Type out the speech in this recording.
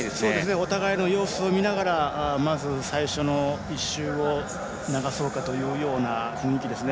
お互いの様子を見ながら最初の１周を流そうかというような雰囲気ですね。